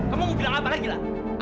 kamu mau bilang apa lagi lah